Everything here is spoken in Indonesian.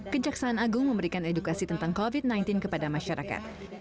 kejaksaan agung memberikan edukasi tentang covid sembilan belas kepada masyarakat